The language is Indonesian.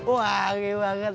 oh wangi banget ah